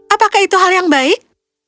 apakah itu hal yang baik